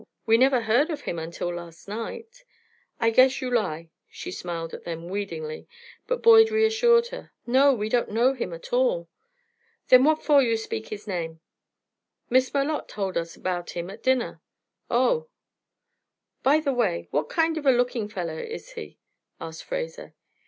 We never heard of him until last night." "I guess you lie!" She smiled at them wheedlingly, but Boyd reassured her. "No! We don't know him at all." "Then what for you speak his name?" "Miss Malotte told us about him at dinner." "Oh!" "By the way, what kind of a looking feller is he?" asked Fraser.